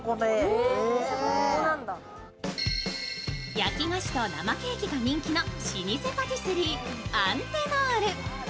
焼き菓子と生ケーキが人気の老舗パティスリー・アンテノール。